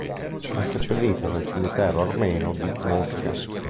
È seppellito nel Cimitero Armeno di Mosca.